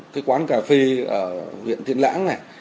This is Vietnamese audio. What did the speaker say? cái quán cà phê ở huyện tiên lãng này